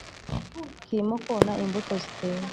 kirimo kona imbuto ziteze